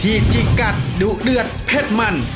ที่จิกกัดดูเลือดเผ็ดมัน